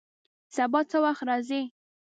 سبا څه وخت راځئ؟